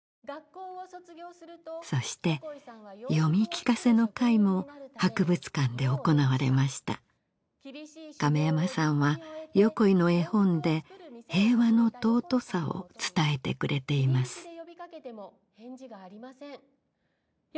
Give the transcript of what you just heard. そして読み聞かせの会も博物館で行われました亀山さんは横井の絵本で平和の尊さを伝えてくれていますよ